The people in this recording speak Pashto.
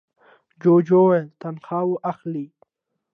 جوجو وویل تنخوا اخلې؟